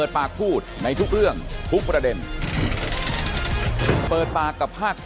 สวัสดีครับ